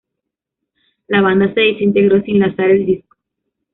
La banda se desintegró sin lanzar el disco.